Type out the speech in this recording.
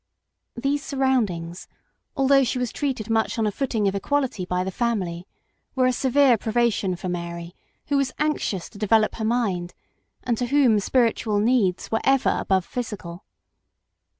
These surroundings, although she was treated much on a footing of equality by the family, were a severe privation for Mary, who was anxious to develop her mind, and to whom spiritual needs were ever above physical.